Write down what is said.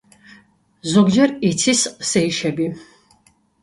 ზოგჯერ იცის სეიშები.